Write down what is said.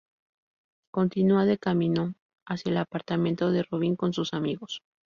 Continúa de camino hacia el apartamento de Robin con sus amigos.